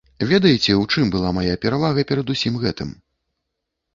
Ведаеце, у чым была мая перавага перад усім гэтым?